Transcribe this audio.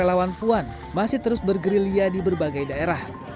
relawan puan masih terus bergerilya di berbagai daerah